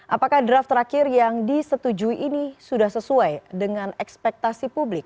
apakah draft terakhir yang disetujui ini sudah sesuai dengan ekspektasi publik